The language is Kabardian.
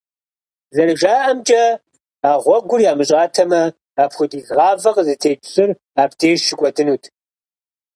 Зэрыжаӏэмкӏэ, а гъуэгур ямыщӏатэмэ, апхуэдиз гъавэ къызытекӏ щӏыр абдеж щыкӏуэдынут.